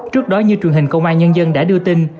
trước đó như truyền hình công an nhân dân đã đưa tin